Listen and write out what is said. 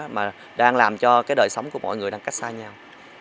mà đang làm cho cái đời sống của mọi người đang cách xa nhau